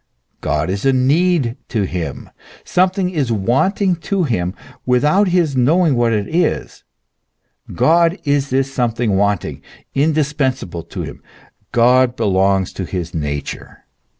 God is a need to him ; something is wanting to him without his knowing what it is God is this something wanting, indispensable to him; God belongs to his nature.